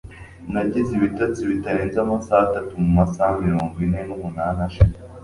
nagize ibitotsi bitarenze amasaha atatu mumasaha mirongo ine n'umunani ashize